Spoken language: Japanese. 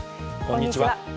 こんにちは。